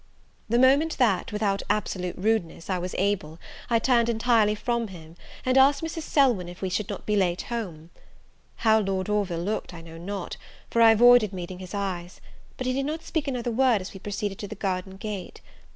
The moment that, without absolute rudeness, I was able, I turned entirely from him, and asked Mrs. Selwyn if we should not be late home? How Lord Orville looked I know not, for I avoided meeting his eyes; but he did not speak another word as we proceeded to the garden gate.